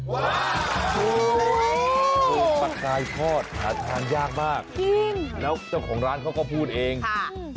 ปลากายทอดหาทานยากมากจริงแล้วเจ้าของร้านเขาก็พูดเองค่ะ